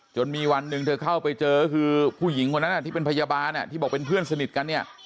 มีวันหนึ่งเธอเข้าไปเจอก็คือผู้หญิงคนนั้นที่เป็นพยาบาลที่บอกเป็นเพื่อนสนิทกันเนี่ย